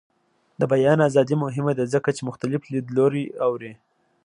د بیان ازادي مهمه ده ځکه چې مختلف لیدلوري اوري.